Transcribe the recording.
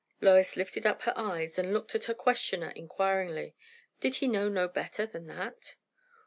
Lois lifted up her eyes and looked at her questioner inquiringly. Did he know no better than that?